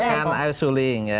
ini menggunakan air suling ya